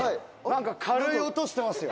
「なんか軽い音してますよ。